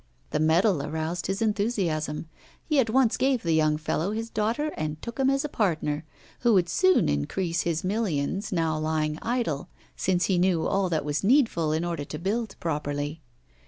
The medal aroused his enthusiasm; he at once gave the young fellow his daughter and took him as a partner, who would soon increase his millions now lying idle, since he knew all that was needful in order to build properly.